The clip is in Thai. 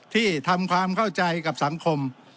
ที่ทำความเข้าใจกับสังคม